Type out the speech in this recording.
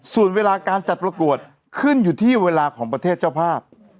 ส่วนเวลาการจัดประกวดขึ้นอยู่ที่เวลาของประเทศเจ้าภาพ